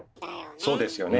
そうですよね。